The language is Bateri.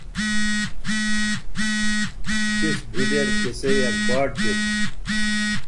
تِس بُھوڈیر تِسئ یک باٹ دیتھ